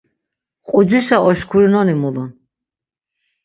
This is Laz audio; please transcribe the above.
Qucişa oşkurinoni mulun.